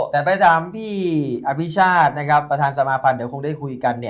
แต่ไปตามพี่อัพิชาติประธานสมาภัณฑ์เราได้คุยกัน